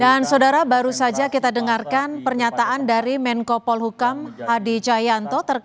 dan saudara baru saja kita dengarkan pernyataan dari menko polhukam adi jayanto